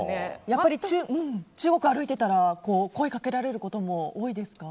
やっぱり中国を歩いてたら声をかけられることも多いですか？